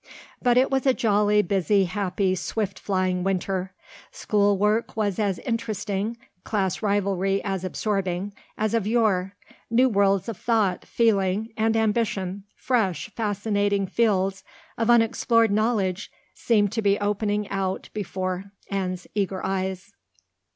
But it was a jolly, busy, happy swift flying winter. Schoolwork was as interesting, class rivalry as absorbing, as of yore. New worlds of thought, feeling, and ambition, fresh, fascinating fields of unexplored knowledge seemed to be opening out before Anne's eager eyes.